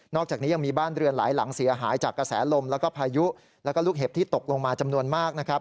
นอกจากนี้ยังมีบ้านเรือนหลายหลังเสียหายจากกระแสลมพายุและลูกเห็บที่ตกลงมาจำนวนมาก